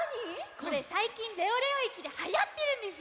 これさいきんレオレオ駅ではやってるんですよ！